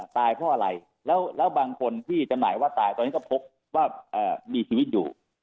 ตายเพราะอะไรแล้วบางคนที่จำหน่ายว่าตายตอนนี้ก็พบว่ามีชีวิตอยู่